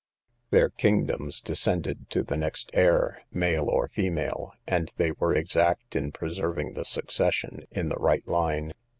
Their kingdoms descended to the next heir, male or female, and they were exact in preserving the succession in the right line.